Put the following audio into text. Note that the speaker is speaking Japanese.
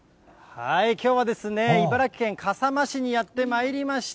きょうはですね、茨城県笠間市にやってまいりました。